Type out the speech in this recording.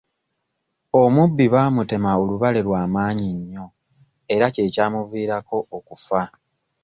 Omubbi baamutema olubale lwa maanyi nnyo era kye kyamuviirako okufa.